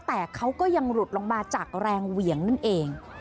แต่เขาก็ยังหลุดลงมาจากแรงเหวี่ยงนั่นเอง